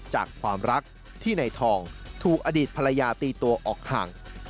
จากความรักที่ในทองถูกอดีตภรรยาตีตัวออกห่าง